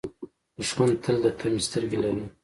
دښمن تل د طمعې سترګې لري